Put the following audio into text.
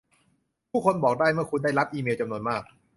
ผู้คนบอกได้เมื่อคุณได้รับอีเมลจำนวนมาก